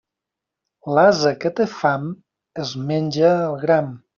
L'ase que té fam es menja el gram.